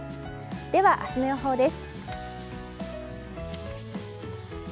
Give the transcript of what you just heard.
では、明日の予報です。